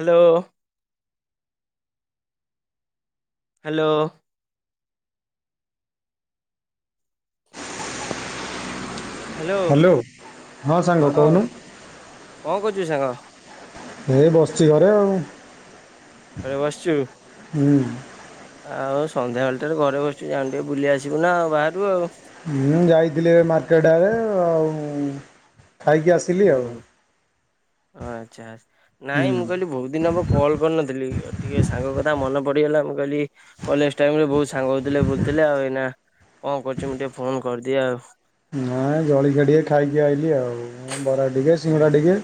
Hello hello hello hello ହଁ ସାଙ୍ଗ କଉନୁ। କଣ କରୁଛୁ ସାଙ୍ଗ ଏ ବସିଚି ଘରେ ଆଉ। ଘରେ ବସିଚୁ। ହୁଁ। ଆଉ ସନ୍ଧ୍ୟାବେଳ ଠାରୁ ଘରେ ବସିଚୁ ଯାଉନୁ ଟିକେ ବୁଲି ଆସିବୁ ନା ବାହାରୁ ଆଉ। ମୁଁ ଯାଇଥିଲି ଏବେ ମାର୍କେଟେ ଆଡେ ଆଉ। ଖାଇକି ଆସିଲି ଆଉ ହୁଁ ଆଚ୍ଛା ଆଚ୍ଛା ନାଇଁ ହୁଁ ମୁଁ କହିଲି ବହୁତ ଦିନ ହବ କଲ୍ କରିନଥିଲି ଟିକେ ସାଙ୍ଗ କଥା ମନେ ପଡିଗଲା ମୁଁ କଇଲି କଲେଜ୍ ଟାଇମ୍ ରେ ବହୁତ ସାଙ୍ଗ ହଉଥିଲେ ବୁଲୁଥିଲେ ଆଉ ଏଇନା କଣ କରୁଚି ମୁଁ ଟିକେ ଫୋନ୍ କରିଦିଏ ଆଉ। ନାଇଁ ଜଳିଖିଆ ଟିକେ ଖାଇକି ଆଇଲିି ଆଉ ବରା ଟିକେ ଉଁ ହୁଁ ସିଙ୍ଗଡ଼ା ଟିକେ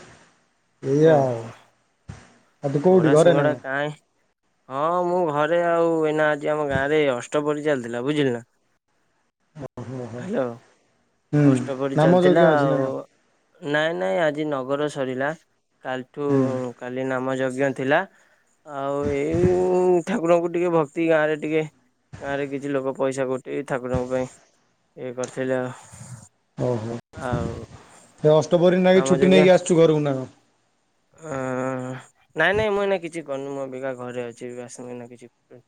ଏୟା ଆାଉ। ଓହୋ ବରା ସିଙ୍ଗଡ଼ା କାଇଁ। ହଁ ମୁଁ ଘରେ ଆଉ ଏଇନା ଆଜି ଆମ ଗାଁରେ ଅଷ୍ଟ ପହରି ଚାଲିଥିଲା ବୁଝିଲେ ନା? ହାଲୋ ହୁଁ ଅଷ୍ଟ ପହରି ନାମ ଯଜ୍ଞ ଚାଲିଥିଲା ଅଛି ନା ଆଉ। କଣ ନାଇଁ ନାଇଁ ଆଜି ନଗର ସରିଲା କାଲିଠୁ ହୁଁ କାଲି ନାମ ଯଜ୍ଞ ଥିଲା। ଆଉ ଏଇଁ ଠାକୁରଙ୍କୁ ଟିକେ ଭକ୍ତି ଗାଁ ରେ ଟିକେ ଗାଁରେ କିଛି ଲୋକ ପଇସା ଗୋଟେଇ ଠାକୁରଙ୍କ ପାଇଁ ଇଏ କରିଥିଲେ ଆଉ। ଆଉ। ସେ ଅଷ୍ଟପହରି ନାଗି ନାମ ଛୁଟି ନେଇକି ଆସିଚୁ ଘରକୁ ନା କଣ? ହଁ ନାଇଁ ନାଇଁ ମୁଁ ଏନା କିଛି କରିନି ମୁଁ ଅବିକା ଘରେ ଅଛି ବାସ୍ ମୁଁ ଏଇନା କିଛି କରିନି।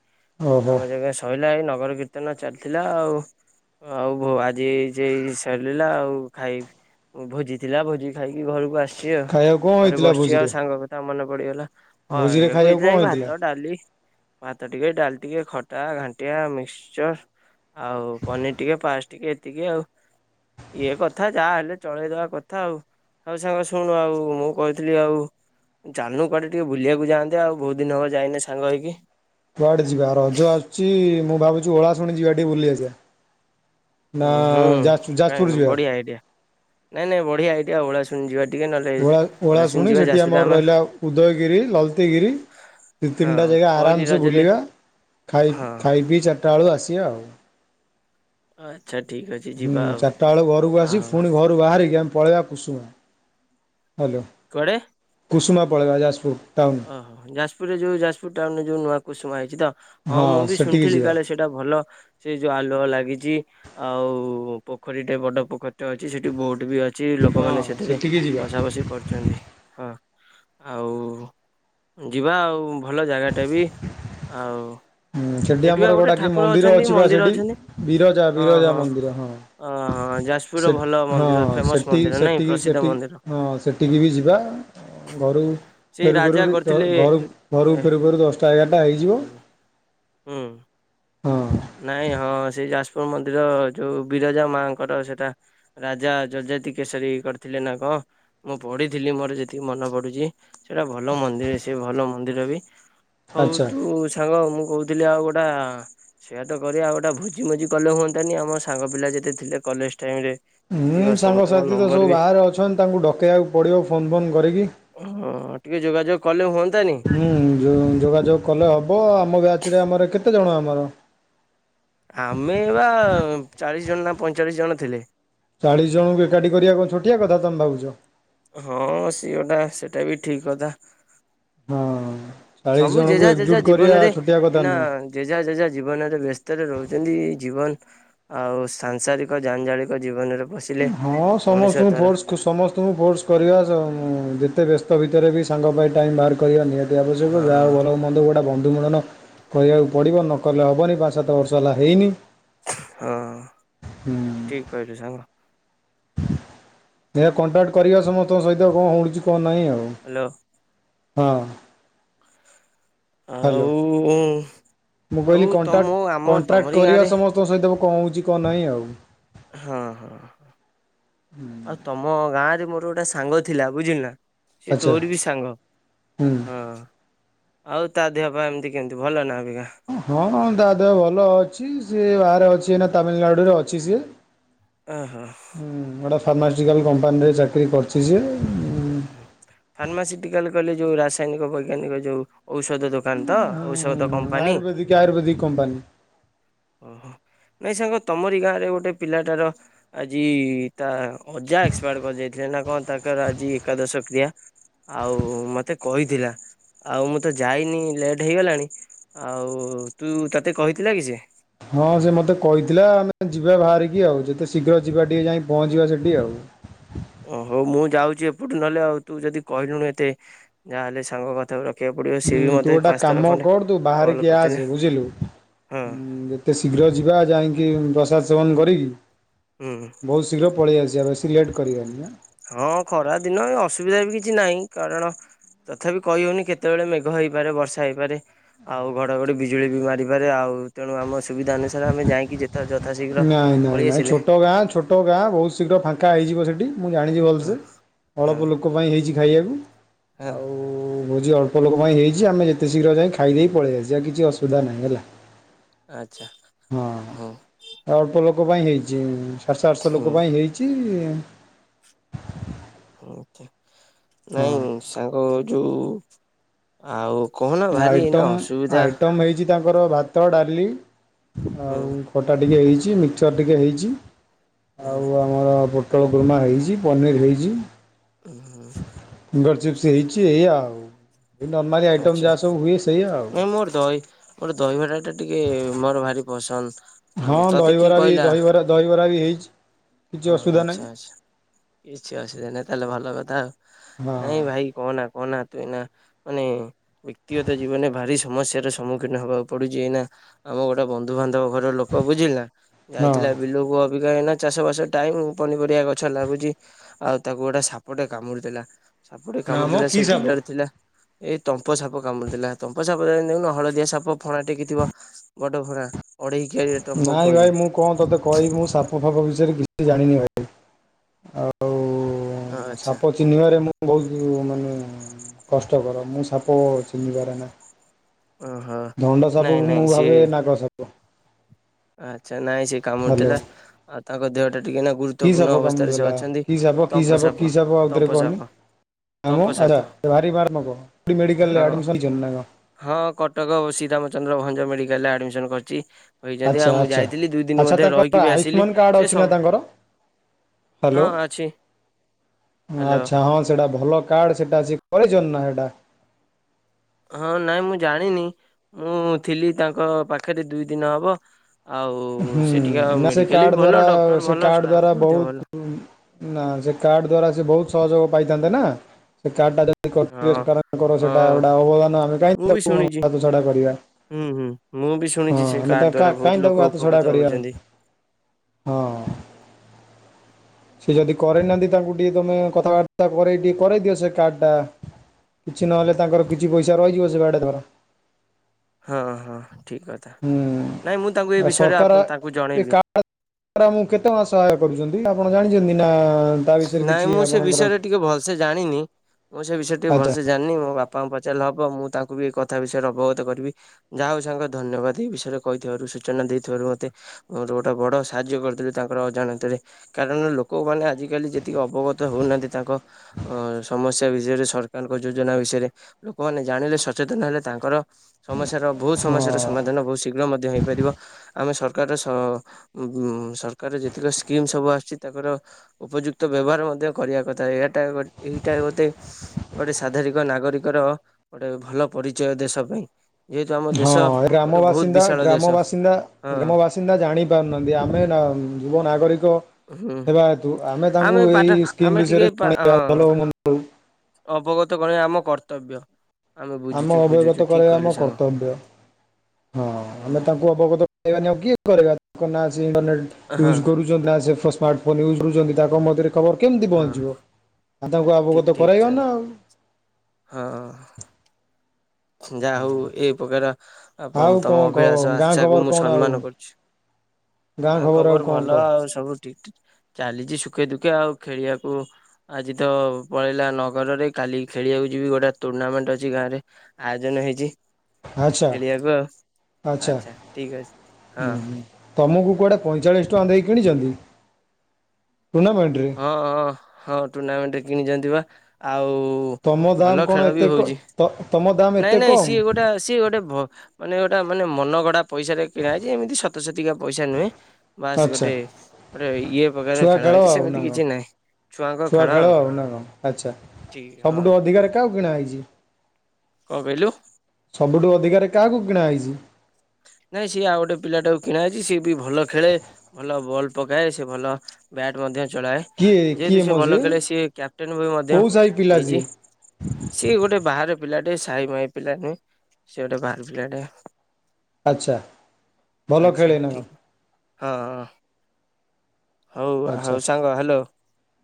ଓହୋ ନାମ ଯଜ୍ଞ ସଇଲା ଏଇ ନଗର କୀର୍ତ୍ତନ ଚାଲିଥିଲା ଆଉ। ଆଉ ବୋଉ ଆଜି ଏଯେଇ ସରିଲା ଆଉ ଖାଇ ଭୋଜି ଥିଲା ଭୋଜି ଖାଇକି ଘରକୁ ଆସିଚି ଆଉ। ଖାଇବାକୁ କଣ ଘରେ ହେଇଥିଲା ବସିଛି ଆଉ ଭୋଜିରେ ସାଙ୍ଗ କଥା ମନେ ପଡିଗଲା। ଭୋଜିରେ ହଁ ଖାଇବାକୁ କଣ [unintelligible] ହେଇଥିଲା ଭାତ, ଡାଲି ଭାତ ଟିକେ ଡାଲି ଟିକେ ଖଟା, ଘାଣ୍ଟିଆ, ମିକ୍ସଚର ଆଉ ପନିର ଟିକେ ପାସ୍ ଟିକେ ଏତିକି ଆଉ। ଇଏ କଥା ଯାହା ହେଲେ ଚଳେଇଦବା କଥା ଆଉ। ହଉ ସାଙ୍ଗ ଶୁଣୁ ଆଉ ମୁଁ କହିଥିଲି ଆଉ ଚାଲୁନୁ କୁଆଡେ ଟିକେ ବୁଲିବାକୁ ଯାଆନ୍ତେ ଆଉ ବହୁତ ଦିନ ହେବ ଯାଇନେ ସାଙ୍ଗ ହେଇକି। କୁଆଡେ ଯିବା ରଜ ଆସୁଛି ମୁଁ ଭାବୁଛି ଓଳାଶୁଣି ଯିବା ଟିକେ ବୁଲି ଆସିବା। ନା ଉଁ ହୁଁ। ଯାଜ କାଇଁ ଯାଜପୁର ଯିବା। ବଢିଆ ଆଇଡିଆ ନାଇଁ ନାଇଁ ବଢିଆ ହେଇଟା ଓଳାଶୁଣି ଯିବା ଟିକେ ନହେଲେ ଓଳା ଓଳାଶୁଣି ଯିବା ସେଠି ଯାଜପୁରରେ ଆମର ଆମେ ରହିଲା ଉଦୟଗିରି, ଲଲତିଗିରି ଦୁଇ ତିନିଟା ହଁ ଜାଗା ପହିଲି ଆରାମସେ ରଜରେ ବୁଲିବା ଖାଇ ହଁ ଖାଇପିଇ ଚାରିଟା ବେଳକୁ ଆସିବା ଆଉ। [unintelligible] ଆଚ୍ଛା ଠିକ୍ ଅଛି। ହୁଁ ଯିବା ଆଉ ଚାରିଟା ବେଳକୁ ଘରକୁ ଆସି ଆଉ ଫୁଣି ଘରୁ ବାହାରିକି ଆମେ ପଳେଇବା କୁସୁମା ହ୍ୟାଲୋ କୁଆଡେ କୁସୁମା ପଳେଇବା ଯାଜପୁର ଟାଉନ୍। ଓହୋ ଯାଜପୁରରେ ଯୋଉ ଯାଜପୁର ଟାଉନରେ ଯୋଉ ନୂଆ କୁସୁମା ହେଇଛି ତ ହଁ ମୁଁ ବି ସେଠିକି ଶୁଣିଥିଲି ଯିବା। କାଳେ ସେଇଟା ଭଲ ସେ ଯୋଉ ଆଲୁଅ ଲାଗିଛି, ଆଉ ପୋଖରୀଟେ ବଡ ପୋଖରୀଟେ ଅଛି ସେଠି ବୋଟ ବି ଅ ଛି ହଁ ଲୋକମାନେ ସେଥିରେ ସେଠିକି ଯିବା ବସା ବସି କରୁଛନ୍ତି। ହଁ ଆଉ ଯିବା ଆଉ ଭଲ ଜାଗାଟା ବି ଆଉ ହଁ ସେଠି ବା ଆମର ଗୋଟେ ଗୋଟାକି ଠାକୁର ମନ୍ଦିର ଅଛନ୍ତି ଅଛି ବା ମନ୍ଦିର ସେଇଠି ଅଛନ୍ତି ବିରଜା ହଁ ବିରଜା ହଁ ମନ୍ଦିର ହଁ। ହଁ ଯାଜପୁରର ସେ ଭଲ ହଁ ମନ୍ଦିର ଫେମସ ସେଠି ମନ୍ଦିର ନାଇଁ ସେଠିକି ପ୍ରସିଦ୍ଧ ମନ୍ଦିର ସେଠିକି ହଁ ସେଠିକି ବି ଯିବା ଘରୁକୁ ସେ ଫେରୁ ଫେରୁ ରାଜା ଦ କରିଥିଲେ ଘରୁ ଘରୁ ଏ ଫେରୁ ଫେରୁ ଦଶଟା ଏଗାରଟା ହେଇଯିବ ହୁଁ। ହଁ। ନାଇଁ ହଁ ସେଇ ଯାଜପୁର ମନ୍ଦିର ଯୋଉ ବିରଜା ମାଙ୍କର ସେଇଟା ରାଜା ଯଯାତି କେଶରୀ କରିଥିଲେ ନା କଣ? ମୁଁ ପଢିଥିଲି ମୋର ଯେତିକି ମନେ ପଡୁଛି ସେଟା ଭଲ ମନ୍ଦିର ସେ ଭଲ ମନ୍ଦିର ବି ହଉ ଆଚ୍ଛା ତୁ ସାଙ୍ଗ ମୁଁ କହୁଥିଲି ଆଉ ଗୋଡ଼ା ସେଇଆ ତ କରିବା ଆଉ ଗୋଟେ ଭୋଜି ମୋଜି କଲେ ହୁଅନ୍ତାନି ଆମ ସାଙ୍ଗ ପିଲା ଯେତେ ଥିଲେ କଲେଜ ଟାଇମ୍ ରେ ହଁ ଏତିକ ସମସ୍ତଙ୍କ ସାଙ୍ଗସାଥି ତ ନମ୍ବର ସବୁ ବି ବାହାରେ ଅଛନ୍ତି ତାଙ୍କୁ ଡକେଇବାକୁ ପଡ଼ିବ ଫୋନ୍ ଫୋନ୍ କରିକି ହଁ ଟିକେ ଯୋଗାଯୋଗ କଲେ ହୁଅନ୍ତାନି? ହୁଁ ଯୋ ଯୋଗାଯୋଗ କଲେ ହେବ ଆମ ବ୍ୟାଚ୍ ରେ ଆମର କେତେଜଣ ଆମର? ଆମେ ବା ଚାଳିଶ ଜଣ ନା ପଇଁଚାଳିଶ ଜଣ ଥିଲେ। ଚାଳିଶି ଜଣଙ୍କୁ ଏକାଠି କରିବା କଣ ଛୋଟିଆ କଥା ତମେ ଭାବୁଛ। ହଁ ସିଏଟା ସେଟା ବି ଠିକ୍ କଥା। ହଁ ଚାଳିଶ ସବୁ ଜଣଙ୍କୁ ଏକଜୁଟ କରିବା ଛୋଟିଆ କଥା ନୁହଁ। ଯିଏ ଜେଜା ଜେଜା ଜୀବନରେ ବ୍ୟସ୍ତରେ ରହୁଛନ୍ତି ଜୀବନ ଆଉ ସାଂସାରିକ ଜାଞ୍ଜାଳିକ ଜୀବନରେ ପଶିଲେ ହଁ ମଣିଷ ସମସ୍ତଙ୍କୁ ତାର ଫୋର୍ସ ଖୁସୂ ସମସ୍ତଙ୍କୁ ଫୋର୍ସ କରିବା ଅ ଉନ୍ ଯେତେ ବ୍ୟସ୍ତ ଭିତରେ ବି ସାଙ୍ଗ ପାଇଁ ଟାଇମ୍ ବାହାର କରିବା ନିହାତି ଅତି ଆବଶ୍ୟକ ହଁ ଯାହାହଉ ଭଲ ହଉ ମନ୍ଦ ହଉ ଗୋଟେ ବନ୍ଧୁ ମିଳନ କରିବାକୁ ପଡ଼ିବ ନକଲେ ହେବନି ପାଞ୍ଚ ସାତ ବର୍ଷ ହେଲା ହେଇନି ହଁ ହୁଁ ଠିକ୍ କହିଲୁ ସାଙ୍ଗ। ଦେଖିବା କଣ୍ଟାକ୍ଟ କରିବା ସମସ୍ତଙ୍କ ସହିତ କଣ ହୋଉଚି କଣ ନାଇଁ ଆଉ। ହାଲୋ। ହଁ ହାଲୋ। ଉଁ। ମୁଁ କହିଲି କଣ୍ଟାକ୍ଟ କଣ୍ଟ୍ରାକ୍ଟ ତମରି କରିବା ଗାଁରେ ସମସ୍ତଙ୍କ ସହିତ କଣ ହୋଉଚି କଣ ନାହିଁ ଆଉ। ହଁ ହଁ ଆଉ ତମ ଗାଁରେ ମୋର ଗୋଟେ ସାଙ୍ଗ ଥିଲା। ବୁଝିଲୁ ନା? ସିଏ ଆଚ୍ଛା ତୋର ବି ସାଙ୍ଗ। ହୁଁ ହଁ। ଆଉ ତା ଦେହ ପା ଏମିତି କେମିତି ଭଲ ନା ଅବିକା? ହଁ ତା ଦେହ ଭଲ ଅଛି। ସିଏ ବାହାରେ ଅଛି ଏଇନା ତାମିଲନାଡୁରେ ଅଛି ସିଏ। ଆହା। ହୁଁ ବଡ ଫାର୍ମାସିଟିକାଲ କମ୍ପାନୀରେ ଚାକିରି କରିଚି ସିଏ। ଉଁ ହୁଁ। ଫାର୍ମାସିଟିକାଲ କହିଲେ ଯୋଉ ରାସାୟନିକ ବୈଜ୍ଞାନିକ ଯୋଉ ଔଷଧ ଦୋକାନ ତ? ଓଷୋଦ ଆୟୁର୍ବେଦିକ ଆୟୁର୍ବେଦିକ କମ୍ପାନୀ। ନାଇଁ ସାଙ୍ଗ ତମରି ଗାଁରେ ଗୋଟେ ପିଲାଟାର ଆଜି ତା ଅଜା ଏକ୍ସପାଏଡ କରି ଯାଇଥିଲେ ନା କଣ ତାଙ୍କର ଆଜି ଏକାଦଶ କ୍ରିୟା। ଆଉ ମତେ କହିଥିଲା। ଆଉ ମୁଁ ତ ଯାଇନି ଲେଟ୍ ହେଇଗଲାଣି। ଆଉ ତୁ ତତେ କହିଥିଲା କି ସିଏ? ହଁ ସେ ମତେ କହିଥିଲା ଆମେ ଯିବା ବାହାରିକି ଆଉ। ଯେତେ ଶୀଘ୍ର ଯିବା ଟିକିଏ ଯାଇ ପହଞ୍ଚିବା ସେଠି। ଆଉ ହଉ ମୁଁ ଯାଉଚି ଏପଟୁ ନହେଲେ ଆଉ ତୁ ଯଦି କହିଲୁଣି ଏତେ ଯାହା ହେଲେ ସାଙ୍ଗ କଥା ପରା। ହୁଁ ତୁ ଗୋଟେ କାମ କର ତୁ କଲ୍ ବାହାରିକି କରିଥିଲେ ଆସେ। ବୁଝିଲୁ? ହଁ ଉଁ ବି। ଯେତେ ଶୀଘ୍ର ଯିବା ଯାଇକି ପ୍ରସାଦ ସେବନ କରିକି ହୁଁ। ବହୁତ ଶୀଘ୍ର ପଳେଇ ଆସିବା। ବେଶୀ ଲେଟ୍ କରବାନି ନା। ହଁ ଖରା ଦିନ ଏଅସୁବିଧା ବି କିଛି ନାହିଁ। କାରଣ ତଥାପି କହିହୋଉନି କେତେବେଳେ ମେଘ ହେଇପାରେ ବର୍ଷା ହେଇପାରେ। ଆଉ ଘଡଘଡି ବିଜୁଳି ବି ମାରିପାରେ। ଆଉ ତେଣୁ ଆମ ସୁବିଧା ଅନୁସାରେ ଆମେ ଯାଇକି ଯେତେ ଜ ନାଇଁ ନାଇଁ ନାଇଁ ଛୋଟ ଗାଁ ଛୋଟ ଛୋଟ ଗାଁ ବହୁତ୍ ଶୀଘ୍ର ଫାଙ୍କା ହେଇଯିବ ସେଠି ମୁଁ ଜାଣିଚି ଭଲସେ ହଁ ଅଳପ ହଁ ଲୋକ ଲୋକପାଇଁ ହେଇଚି ଖାଇବାକୁ। ହଁ ଆଉ ଭୋ ଭୋଜି ଅଳ୍ପ ଲୋକ ପାଇଁ ହେଇଚି। ଆମେ ଯେତେ ଶୀଘ୍ର ଯାଇ ଖାଇଦେଇ ପଳେଇ ଆସିବା କିଛି ଅସୁବିଧା ନାହିଁ ହେଲା। ଆଚ୍ଛା ହଉ। ହଁ ଅଳ୍ପ ଲୋକ ପାଇଁ ହେଇଚି। ସାତଶହ ଆଠଶହ ହୁଁ ଲୋକ ପାଇଁ ହେଇଚି। ଆଛା ହଁ ନାଇଁ ସାଙ୍ଗ ଯୋଉ ଆଉ କହନା ଭାରି ଏଇନା ଆଇଟମ୍ ଅସୁବିଧା। ଆଇଟମ୍ ହେଇଛି ତାଙ୍କର ଭାତ ଡାଲି ହୁଁ ଆଉ ଖଟା ଟିକିଏ ହେଇଚି ମିକ୍ଚର୍ ଟିକିଏ ହେଇଚି। ହୁଁ ଆଉଆ ଆମର ପୋଟଳ କୁର୍ମା ହେଇଚି ପନିର୍ ହେଇଚି। ଉଁ ହୁଁ ଫିଙ୍ଗର୍ ଚିପ୍ସ ହେଇଚି ଏଇଆ ଆଉ। ଏ ନର୍ମାଲି ଆଇଟମ୍ ଆଚ୍ଛା ଯାହା ସବୁ ହୁଏ ସେଇଆ ଆଉ। ନାଇଁ ମୋର ଦହି। ମୋର ଦହିବରାଟା ଟିକିଏ ମୋର ଭାରି ପସନ୍ଦ। ହଁ ଆଉ ତତେ କିଏ ଦହିବରା ବି କହିଲା ଦହିବରା ଦହିବରା ବି ହେଇଚି। ହଁ ଆଚ୍ଛା ଆଚ୍ଛା କିଛି ଅସୁବିଧା ନାହିଁ ତାହେଲେ ଭଲ କଥା ଆଉ ହଁ ନାଇଁ ଭାଇ କହନା କହନା ତୁ ଏଇନା ମାନେ ବ୍ୟକ୍ତିଗତ ଜୀବନରେ ଭାରି ସମସ୍ୟାର ସମ୍ମୁଖୀନ ହବାକୁ ପଡୁଚି ଏଇନା ଆମର ଗୋଟେ ବନ୍ଧୁ ବାନ୍ଧବ ଘର ଲୋକ ବୁଝିଲୁ ନା ହଁ ଯାଇଥିଲା ବିଲକୁ ଅବିକା ହେଇନା ଚାଷ ବାସ ଟାଇମ୍ ପନିପରିବା ଗଛ ଲାଗୁଛି ଆଉ ତାକୁ ଗୋଟେ ସାପଟେ କାମୁଡିଦେଲା ସାପଟେ ନା ମ କାମୁଡ଼ିଦେଲା କି ସେ ସାପ ବିଲରେ ଥିଲା ଏଇ ତମ୍ପ ସାପ କାମୁଡିଦେଲା ତମ୍ପ ସାପ ଦେଖୁନ ହଳଦିଆ ସାପ ଫଣା ଟେକି ଥିବ ବଡ ଫଣା ଅଢେଇ ଖେ ନାଇଁ ଭାଇ ମୁଁ କଣ ତୋତେ କହିବି ମୁଁ ସାପ ଫାପ ବିଷୟରେ କିଛି ଜାଣିନି ଭାଇ ଆଉ ଆଚ୍ଛା ସାପ ଚିହ୍ନିବାରେ ମୁଁ ବହୁତ୍ ମାନେ କଷ୍ଟକର ମୁଁ ସାପ ଚିହ୍ନିିପାରେ ନା। ଓ ହୋ। ଧଣ୍ଡ ସାପକୁ ମୁଁ ଭାବେ ନାଗସାପ। ଆଚ୍ଛା ନାଇଁ ସେ କାମୁଡି ହ୍ୟାଲୋ ଦେଲା ଆଉ ତାଙ୍କ ଦେହ ଟା ଟିକେ ନା କି ଗୁରୁତ୍ୱପୂର୍ଣ୍ଣ ସାପ ଅବସ୍ଥାରେ କାମୁଡି ସେ ଦେଲା ଅଛନ୍ତି। କି ସାପ କି ତମ୍ପ ସାପ କି ସାପ ତମ୍ପ ଆଉଥରେ ସାପ କହନି? ତମ୍ପ ସାପ ହଁ। [unintelligible] ହଁ କଟକ ଓ ଶ୍ରୀରାମଚନ୍ଦ୍ର ଭଞ୍ଜ ମେଡିକାଲ୍ ରେ ଆଡମିସନ୍ କରିଚି। କହିଛନ୍ତି ଆଚ୍ଛା ଆଉ ମୁଁ ଆଚ୍ଛା ଯାଇଥିଲି ଦୁଇ ଦିନ ଆଚ୍ଛା ମଧ୍ୟ ତାଙ୍କର ରହିକି ବି ଆସିଲି ଆୟୁଷ୍ମାନ ସେ ସବୁ ହଁ ହାଲୋ ଅଛି ହ୍ୟାଲୋ ଆଚ୍ଛା ହଁ ସେଇଟା ଭଲ କାର୍ଡ ସେଟା ଅଛି କରିଛନ୍ତି ନା ସେଟା? ହଁ ନାଇଁ ମୁଁ ଜାଣିନି ମୁଁ ଥିଲି ତାଙ୍କ ପାଖରେ ଦୁଇ ଦିନ ହବ। ଆଉ ହୁଁ ସେଠିକା ଆଉ ନା ସେ ମେଡିକାଲ୍ ବି କାର୍ଡ ଭଲ ଦ୍ଵାରା ଡକ୍ଟର୍ ସେ ଭଲ କାର୍ଡ ଷ୍ଟାଫ୍ ଦ୍ଵାରା ବି ମଧ୍ୟ ବହୁତ ଭଲ। ନା ସେ କାର୍ଡ ଦ୍ଵାରା ସେ ବହୁତ୍ ସହଯୋଗ ପାଇଥାନ୍ତେ ନା ସେ କାର୍ଡ ଟା [unintelligible] ହଁ। ସେଇଟା ହଁ ଗୋଟା ଅବଦାନ ଆମେ କାହିଁକି ତାକୁ ହାତ ଛଡା କରିବା। ହୁଁ-ହୁଁ ମୁଁ ବି ହଁ ଶୁଣିଚି ସେ ଆମେ ତା କାର୍ଡ ଦ୍ଵାରା ବହୁତ୍ କାହିଁକି ତାକୁ ଲୋକ ହାତ ଛଡ଼ା ଉପକୃତ କରିବାନି। ହଉଛନ୍ତି [unintelligible] ସେ ଯଦି କରେଇନାହାନ୍ତି ତାଙ୍କୁ ଟିକେ ତମେ କଥାବାର୍ତ୍ତା କରେଇ ଟିକେ କରେଇ ଦିଅ ସେ କାର୍ଡ ଟା। କିଛି ନହେଲେ ତାଙ୍କର କିଛି ପଇସା ରହିଯିବ ସେ କାର୍ଡ ଦ୍ଵାରା। ହଁ-ହଁ ଠିକ୍ କଥା ନାଇଁ ମୁଁ ତାଙ୍କୁ ଏ ହୁଁ। ବିଷୟରେ ସରକାର ଆପଣ ତାଙ୍କୁ ଜଣେଇବି। [unintelligible] ସହାୟ କରୁଛନ୍ତି ଆପଣ ଜାଣିଛନ୍ତି ନା? ତା ବିଷୟରେ ନାଇଁ କିଛି ମୁଁ ସେ ଆପଣଙ୍କର ବିଷୟରେ ଟିକେ ଭଲସେ ଜାଣିନି ମୁଁ ସେ ବିଷୟରେ ଟିକେ ଆଚ୍ଛା ଭଲସେ ଜାଣିନି ମୋ ବା ବାପାଙ୍କୁ ପଚାରିଲେ ହବ ମୁଁ ତାଙ୍କୁ ବି ଏଇ କଥା ବିଷୟରେ ଅବଗତ କରିବି। ଯାହା ହଉ ସାଙ୍ଗ ଧନ୍ୟବାଦ୍ ଏଇ ବିଷୟରେ କହିଥିବାରୁ ସୂଚନା ଦେଇଥିବାରୁ ମତେ। [unintelligible] ଗୋଟେ ବଡ ସାହାଯ୍ୟ କରିଥିଲୁ ତାଙ୍କର ଅଜାଣତରେ କାରଣ ଲୋକମାନେ ଆଜି ଆଜି କାଲି ଯେତିକି ଅବଗତ ହଉନାହାନ୍ତି ତାଙ୍କ ଅ ସମସ୍ୟା ବିଷୟରେ ସରକାରଙ୍କ ଯୋଜନା ବିଷୟରେ ଲୋକମାନେ ଜାଣିଲେ ସଚେତନ ହେଲେ ତାଙ୍କର ସମସ୍ୟାର ବହୁତ୍ ହଁ ସମସ୍ୟାର ସମାଧାନ ବହୁତ୍ ଶୀଘ୍ର ମଧ୍ୟ ହେଇପାରିବ। ଆମେ ସରକାର-ସରକାର ଯେତିକି ସ୍କିମ୍ ସବୁ ଆସିଚି ତାଙ୍କର ଉପଯୁକ୍ତ ବ୍ୟବହାର ମଧ୍ୟ କରିବା କଥା ଏହାଟା ଏଇଟା ଗୋଟେ ଗୋଟେ ସାଧାରିକ ନାଗରିକର ଗୋଟେ ଭଲ ପରିଚୟ ଦେଶ ପାଇଁ। ଯେହେତୁ ଆମ ହଁ ଦେଶ ଗୋଟେ ଗ୍ରାମ ବହୁତ ବାସିନ୍ଦା ବିଶାଳ ଦେଶ ଗ୍ରାମ ବାସିନ୍ଦା ହଁ ଗ୍ରାମ ବାସିନ୍ଦା ଜାଣି ପାରୁନାହାନ୍ତି ଆମେ ଯୁବ ନାଗରିକ ହୁଁ ହେବା ହେତୁ ତାଙ୍କୁ ଆମେ ଏଇ ପାଠ ସ୍କିମ୍ ଆମେ ବିଷୟରେ ଟିକେ ପା ଜଣେଇବା ହଁ ଭଲ ହୁଅନ୍ତା। ଅବଗତ କରିଆ ଆମ କର୍ତ୍ତବ୍ୟ। ଆମେ ବୁଝୁଛୁ ବୁଝୁଛୁ ଅବଗତ ଠିକ କରିଆ ଆମ କହିଲୁ ସାଙ୍ଗ। କର୍ତ୍ତବ୍ୟ ହଁ ହୁଁ ଆମେ ତାଙ୍କୁ ଅବଗତ [unintelligible] ହଁ ସ୍ମାର୍ଟଫୋନ୍ ୟୁଜ୍ରୁଛନ୍ତି ତାଙ୍କ ମଧ୍ୟରେ ଖବର କେମିତି ହଁ ପହଞ୍ଚିବ ଆଉ ତାଙ୍କୁ ଅବଗତ କରାଇବ ନା ଆଉ। ହଁ। ଯାହା ହଉ ଏଇ ପ୍ରକାର ଆ ଆଉ କଣ ତମ କହ ଅଭିଳାଷ ଗାଁ ଆଶାକୁ ଖବର ମୁଁ କଣ ଆଉ ସମ୍ମାନ କରୁଛି। ଗାଁ ଆ ଆଉ ଖବର କଣ ଭଲ କହ ଆଉ ସବୁ ଠିକ ଚାଲିଛି ସୁଖେ ଦୁଖେ ଆଉ ଖେଳିବାକୁ ଆଜି ତ ପଳେଇଲା ନଗରରେ କାଲି ଖେଳିବାକୁ ଯିବି ଗୋଟେ ଟୁର୍ଣ୍ଣାମେଣ୍ଟ ଅଛି ଗାଁ ରେ। ଆୟୋଜନ ହେଇଛି ଆଚ୍ଛା। ଖେଳିବାକୁ ଆଉ ଆଚ୍ଛା ଠିକ ଅଛି ହଁ। ତୁମକୁ କୁଆଡ଼େ ପଇଁଚାଳିଶ ଟଙ୍କା ଦେଇ କିଣିଛନ୍ତି ଟୁର୍ଣ୍ଣାମେଣ୍ଟରେ? ହଁ ହଁ ହଁ ଟୁର୍ଣ୍ଣାମେଣ୍ଟରେ କିଣିିଛନ୍ତି ବା ଆଉ ତମ ଦମ୍ ଭଲ କଣ ଖେଳ ବି ଏତେ ହଉଛି ତମ ଦମ୍ ଏତେ କମ? ସେ ଗୋଟେ ମାନେ ଗୋଟେ ମାନେ ମନ ଗଡା ପଇସାରେ କିଣା ହେଛି ଏମିତି ଶତ ଶତିକାା ପଇସା ନୁହେଁ। ବାସ୍ ଆଚ୍ଛା ଗୋଟେ ଗୋଟେ ଇଏ ପ୍ରକାର ଖେଳ ହେଇଛି ସେମିତି କିଛି ନାହିଁ। ଛୁଆଙ୍କ ଖେଳ ଛୁଆଖେଳ ଆଉ ନା କଣ ଆଚ୍ଛା ଠିକ ହଁ। ସବୁଠୁ ଅଧିକରେ କାହା କିଣା ହେଇଛି? କଅଁ କହିଲୁ? ସବୁଠୁ ଅଧିକାରେ କାହାକୁ କିଣା ହେଇଛି? ନାଇଁ ସିଏ ଆଉ ଗୋଟେ ପିଲାଟାକୁ କିଣା ଅଛି ସିଏ ବି ଭଲ ଖେଳେ ଭଲ ବଲ ପକାଏ ସେ ଭଲ ବ୍ୟାଟ ମଧ୍ୟ ଚଳାଏ। କିଏ କିଏ ଯେହେତୁ ସିଏ ମ ଭଲ ଖେଳେ ସିଏ କ୍ୟାପଟେନ ବି ମଧ୍ୟ କୋଉ ସାହି ପିଲା ହେଇଛି। ସିଏ? ସିଏ ଗୋଟେ ବାହାର ପିଲାଟେ ସାହି ଭାଇ ପିଲା ନୁହେଁ ସିଏ ଗୋଟେ ବାହାର ପିଲାଟେ ଆଉ। ଆଚ୍ଛା। ଭଲ ଆଚ୍ଛା ଖେଳେ ନା କଣ? ଠିକ୍ ହଁ ହଁ। ହଉ ଆଚ୍ଛା ସାଙ୍ଗ ହ୍ୟାଲୋ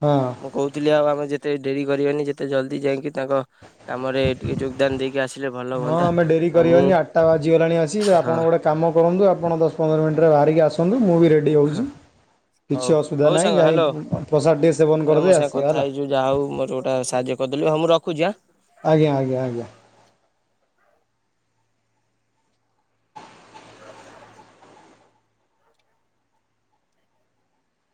ହଁ ମୁ କହୁଥିଲି ଆଉ ଆମେ ଯେତେ ଡେରି କରିବାନି ଯେତେ ଜଲଦି ଯାଇକି ତାଙ୍କ କାମରେ ଟିକେ ଯୋଗଦାନ ଦେଇକି ଆସିଲେ ଭଲ ହଁ ହୁଅନ୍ତା ଆମେ ଡେରି ଆଉ ମୁଁ କରିବାନି ଆଠଟା ବାଜିଗଲାଣି ଆସି ଆପଣ ହଁ ଗୋଟେ କାମ କରନ୍ତୁ ଆପଣ ଦଶ ପନ୍ଦର ମିନିଟେ ବାହାରିକି ଆସନ୍ତୁ ମୁଁ ବି ରେଡ଼ି ହଉଛି। ହଁ କିଛି ହଉ ଅସୁବିଧା ହଉ ନାହିଁ ସାଙ୍ଗ ଯାଇ ହ୍ୟାଲୋ ପ୍ରସାଦ ଟିକେ ସେବନ କରିଦେଇ ଆସିବ ହେଲା। ଯା ହଉ ମୋର ଗୋଟା ସାହାଯ୍ୟ କରିଦେଲି ହଁ ମୁଁ ରଖୁଛି ଆଁ। ଆଜ୍ଞା ଆଜ୍ଞ ଆଜ୍ଞା।